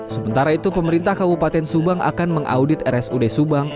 sementara itu pemerintah kabupaten subang akan mengaudit rsud subang